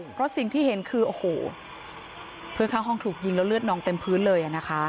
เพราะสิ่งที่เห็นคือโอ้โหเพื่อนข้างห้องถูกยิงแล้วเลือดนองเต็มพื้นเลยนะคะ